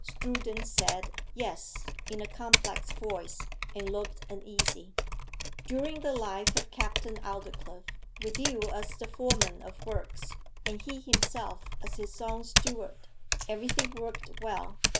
Strooden said 'Yes,' in a complex voice, and looked uneasy. 'During the life of Captain Aldclyffe, with you as the foreman of works, and he himself as his own steward, everything worked well.